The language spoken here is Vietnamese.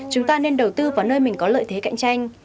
chúng ta nên đầu tư vào nơi mình có lợi thế cạnh tranh